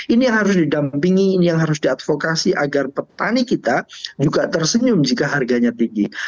ini yang harus didampingi ini yang harus diadvokasi agar petani kita juga tersenyum jika harganya tinggi